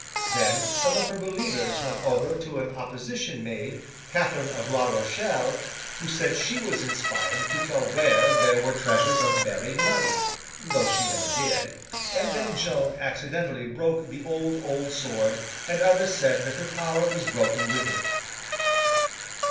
Then, some of her believers went over to an opposition Maid, Catherine of La Rochelle, who said she was inspired to tell where there were treasures of buried money—though she never did—and then Joan accidentally broke the old, old sword, and others said that her power was broken with it.